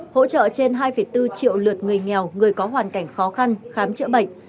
hỗ trợ trên hai bốn triệu lượt người nghèo người có hoàn cảnh khó khăn khám chữa bệnh